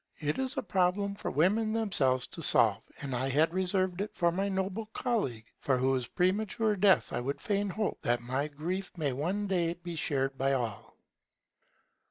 It is a problem for women themselves to solve; and I had reserved it for my noble colleague, for whose premature death I would fain hope that my own grief may one day be shared by all.